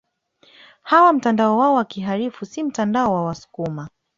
Hawa mtandao wao wa kihalifu na si mtandao wa wasukuma